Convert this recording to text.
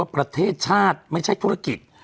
ประเทศชาติไม่ใช่ธุรกิจ